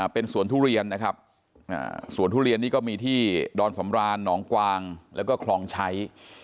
เป็นสวนทุเรียนนะครับสวนทุเรียนนี่ก็มีที่ดอนสำรานหนองกวางแล้วก็คลองชัย